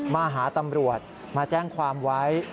มาหาตำรวจมาแจ้งความไว้